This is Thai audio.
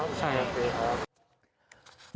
ใช่ครับ